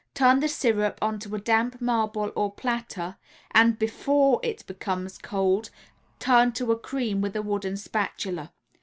Turn the syrup onto a damp marble or platter and before it becomes cold turn to a cream with a wooden spatula.